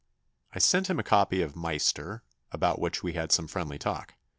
I sent him a copy of Meister, about which we had some friendly talk.